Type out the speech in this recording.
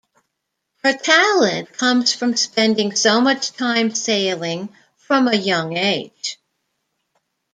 Her talent comes from spending so much time sailing, from a young age.